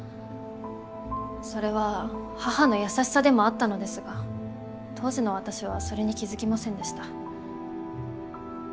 それは母の優しさでもあったのですが当時の私はそれに気付きませんでした。